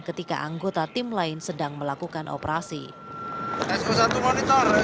ketika anggota tim lain sedang melakukan penyelenggaraan yang terjadi di tempat ini